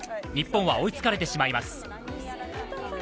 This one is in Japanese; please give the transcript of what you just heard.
日本は追いつかれてしまいます。